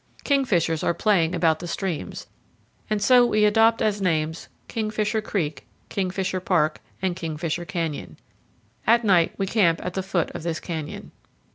Kingfishers are playing about the streams, and so we adopt as names Kingfisher Creek, Kingfisher Park, and Kingfisher Canyon. At night we camp at the foot of this canyon.